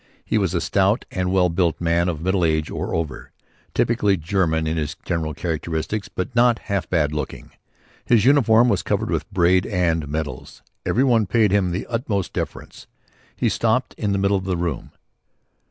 He was a stout and well built man of middle age or over, typically German in his general characteristics but not half bad looking. His uniform was covered with braid and medals. Every one paid him the utmost deference. He stopped in the middle of the room.